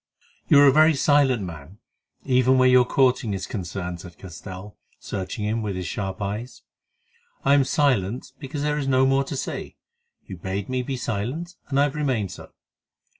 "You are a very silent man, even where your courting is concerned," said Castell, searching him with his sharp eyes. "I am silent because there is no more to say. You bade me be silent, and I have remained so."